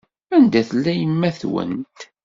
Anda tella yemma-twent?